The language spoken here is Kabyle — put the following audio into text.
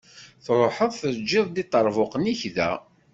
Truḥeḍ teǧǧiḍ-d iṭerbuqen-ik da.